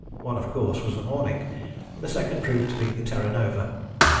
One was of course the Morning; the second proved to be the Terra Nova.